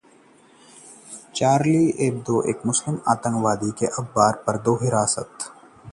'Charlie Hebdo' के cartoon छापने वाले जर्मन अखबार पर हमला, दो हिरासत में